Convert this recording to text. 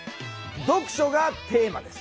読書がテーマです。